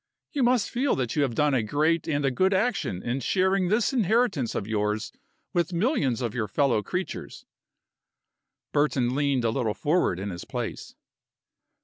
You must feel that you have done a great and a good action in sharing this inheritance of yours with millions of your fellow creatures." Burton leaned a little forward in his place.